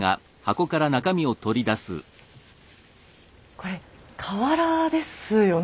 これ瓦ですよね。